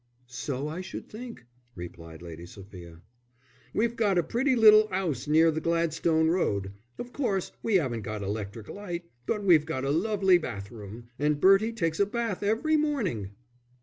"So I should think," replied Lady Sophia. "We've got such a pretty little 'ouse near the Gladstone Road. Of course, we 'aven't got electric light, but we've got a lovely bath room. And Bertie takes a bath every morning."